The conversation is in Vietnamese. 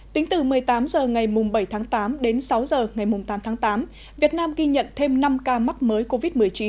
tính từ một mươi tám h ngày bảy tháng tám đến sáu h ngày tám tháng tám việt nam ghi nhận thêm năm ca mắc mới covid một mươi chín